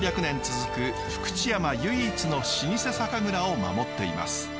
３００年続く福知山唯一の老舗酒蔵を守っています。